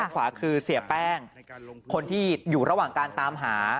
ขวาคือเสียแป้งคนที่อยู่ระหว่างการตามหา